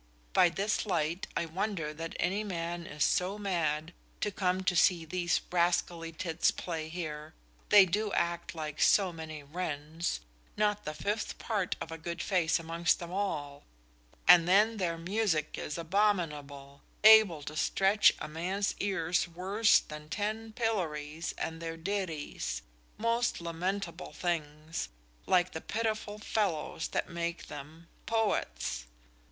'By this light, I wonder that any man is so mad, to come to see these rascally tits play here they do act like so many wrens not the fifth part of a good face amongst them all and then their musick is abominable able to stretch a man's ears worse than ten pillories, and their ditties most lamentable things, like the pitiful fellows that make them poets.